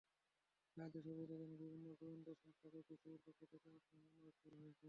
সাহায্য-সহযোগিতার জন্য বিভিন্ন গোয়েন্দা সংস্থাকেও বিসিবির পক্ষ থেকে আনুষ্ঠানিকভাবে অনুরোধ করা হয়েছে।